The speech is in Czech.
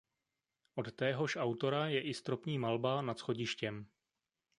Od téhož autora je i stropní malba nad schodištěm.